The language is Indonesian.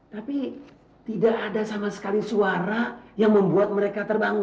tapi tidak ada sama sekali suara yang membuat mereka terbangun